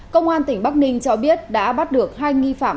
công an tỉnh bắc ninh cho biết đã bắt được hai nghi phạm